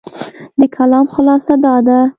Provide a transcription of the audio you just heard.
د کلام خلاصه دا ده،